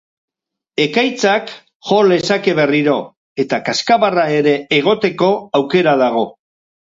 Ekaitzak jo lezake berriro, eta kazkabarra ere egoteko aukera dago.